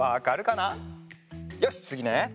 よしっつぎね！